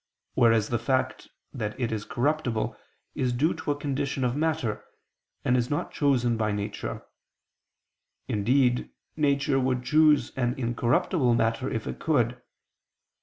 Whereas the fact that it is corruptible is due to a condition of matter, and is not chosen by nature: indeed nature would choose an incorruptible matter if it could.